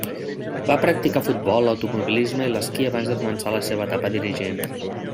Va practicar el futbol, l'automobilisme i l'esquí abans de començar la seva etapa de dirigent.